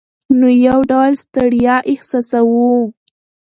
نو یو ډول ستړیا احساسوو.